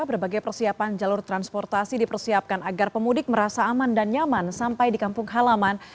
berbagai persiapan jalur transportasi dipersiapkan agar pemudik merasa aman dan nyaman sampai di kampung halaman